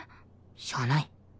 しゃあない。